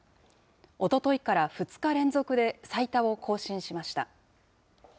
おとといから２日連続で最多を更新しました。